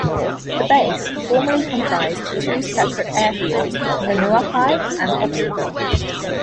The base formerly comprised two separate airfields, Whenuapai and Hobsonville.